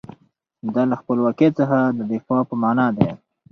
دا له خپلواکۍ څخه د دفاع په معنی دی.